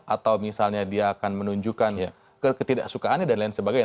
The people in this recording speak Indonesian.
atau misalnya dia akan menunjukkan ketidaksukaannya dan lain sebagainya